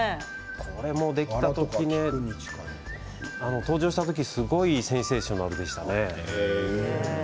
これもできた時登場した時、すごくセンセーショナルでしたね。